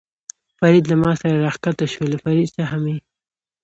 فرید له ما سره را کښته شو، له فرید څخه مې.